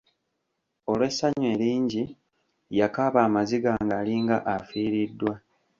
Olw'essanyu eringi yakaaba amaziga ng'alinga afiiriddwa!